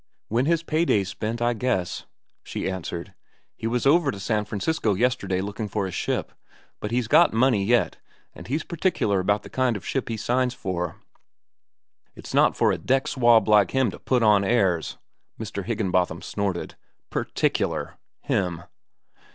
"When his pay day's spent, I guess," she answered. "He was over to San Francisco yesterday looking for a ship. But he's got money, yet, an' he's particular about the kind of ship he signs for." "It's not for a deck swab like him to put on airs," Mr. Higginbotham snorted. "Particular! Him!"